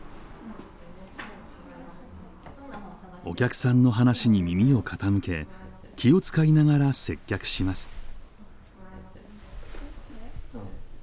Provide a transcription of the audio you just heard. お客さんの話に耳を傾け気を遣いながら接客します。